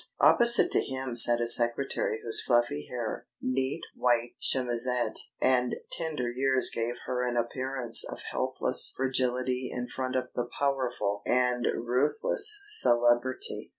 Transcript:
Opposite to him sat a secretary whose fluffy hair, neat white chemisette, and tender years gave her an appearance of helpless fragility in front of the powerful and ruthless celebrity.